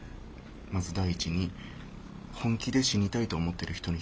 まず第一に本気で死にたいと思ってる人に失礼。